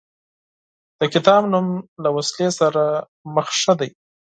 د کتاب نوم له وسلې سره مخه ښه دی.